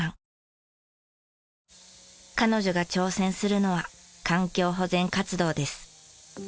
彼女が挑戦するのは環境保全活動です。